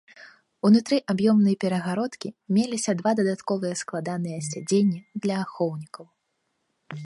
Унутры аб'ёмнай перагародкі меліся два дадатковыя складаныя сядзенні для ахоўнікаў.